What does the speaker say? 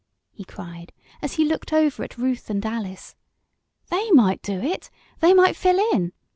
he cried, as he looked over at Ruth and Alice. "They might do it they might fill in!